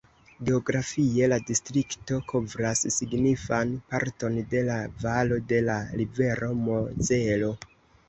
Geografie la distrikto kovras signifan parton de la valo de la rivero Mozelo.